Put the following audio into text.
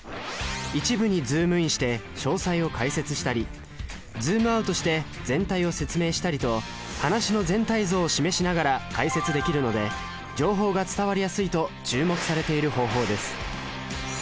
一部にズームインして詳細を解説したりズームアウトして全体を説明したりと話の全体像を示しながら解説できるので情報が伝わりやすいと注目されている方法です